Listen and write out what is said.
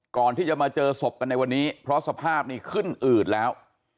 ก่อนที่จะมาเจอศพกันในวันนี้เพราะสภาพนี้ขึ้นอืดแล้ว